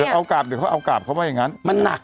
ไม่เอาไปเอากลับเค้าให้อย่างนั้น